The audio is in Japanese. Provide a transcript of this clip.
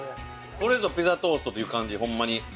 これぞピザトーストという感じホンマに。